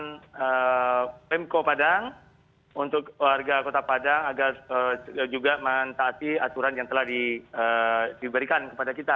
pemko padang untuk warga kota padang agar juga mentaati aturan yang telah diberikan kepada kita